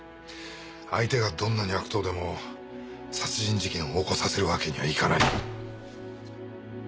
相手がどんなに悪党でも殺人事件を起こさせるわけにはいかない。